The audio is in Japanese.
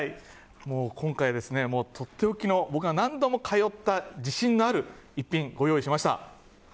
今回、とっておきの僕が何度も通った自信のある一品をご用意しました。